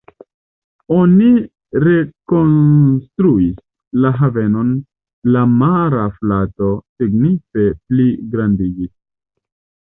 Oni rekonstruis la havenon, la mara floto signife pligrandigis.